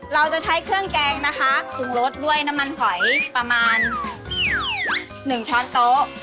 เราจะใช้เครื่องแกงนะคะปรุงรสด้วยน้ำมันหอยประมาณ๑ช้อนโต๊ะ